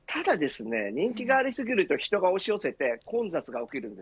ただ、人気がありすぎると人が押し寄せて混雑が起きる。